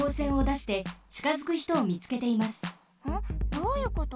どういうこと？